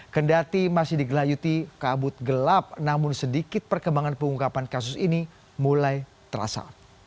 kendati masih digelayuti kabut gelap namun sedikit perkembangan pengungkapan kasus ini mulai terasa